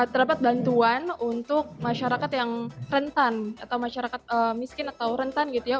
terdapat bantuan untuk masyarakat yang rentan atau masyarakat miskin atau rentan gitu ya